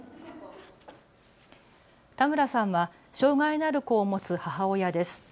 田村さんは障害のある子を持つ母親です。